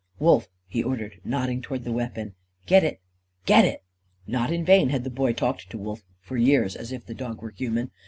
"Wolf!" he ordered, nodding towards the weapon. "Get it! Get it!" Not in vain had the Boy talked to Wolf, for years, as if the dog were human.